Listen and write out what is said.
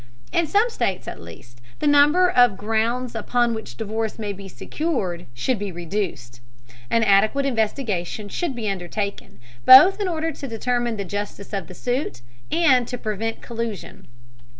In some states at least, the number of grounds upon which divorce may be secured should be reduced. An adequate investigation should be undertaken, both in order to determine the justice of the suit, and to prevent collusion.